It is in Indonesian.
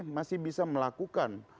masih bisa melakukan